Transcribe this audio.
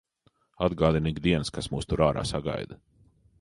Atgādina ik dienas, kas mūs tur ārā sagaida.